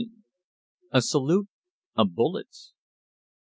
A SALUTE OF BULLETS.